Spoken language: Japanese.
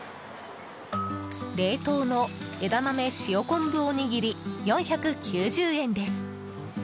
冷凍の枝豆塩昆布おにぎり４９０円です。